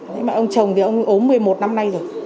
nhưng mà ông chồng thì ông ốm một mươi một năm nay rồi